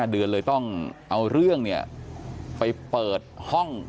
เดือนเลยต้องเอาเรื่องไปเปิดห้อง